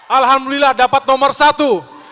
alhamdulillah dapat nomor satu